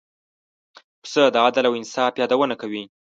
پسه د عدل او انصاف یادونه کوي.